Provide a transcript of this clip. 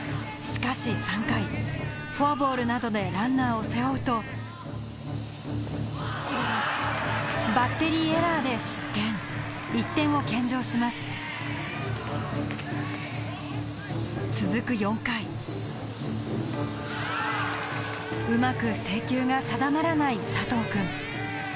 しかし３回フォアボールなどでランナーを背負うとバッテリーエラーで失点１点を献上します続く４回うまく制球が定まらない佐藤くん